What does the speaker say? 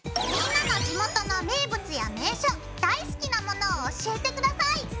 みんなの地元の名物や名所大好きなものを教えて下さい！